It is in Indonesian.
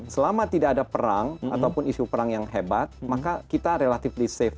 selama tidak ada perang ataupun isu perang yang hebat maka kita relatively safe